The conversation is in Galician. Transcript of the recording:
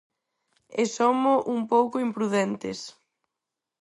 E somo un pouco imprudentes.